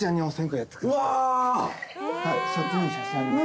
「そっちに写真あります」